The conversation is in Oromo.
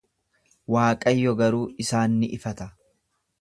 Waaqayyo garuu isaan ni ifata.